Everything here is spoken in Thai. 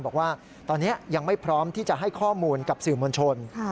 บอกว่าตอนนี้ยังไม่พร้อมที่จะให้ข้อมูลกับสื่อมวลชน